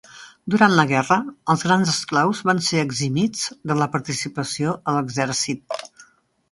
Durant la guerra, els grans esclaus van ser eximits de la participació a l'exèrcit.